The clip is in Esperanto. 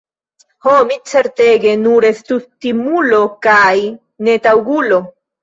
Ho, mi, certege, nur estus timulo kaj netaŭgulo!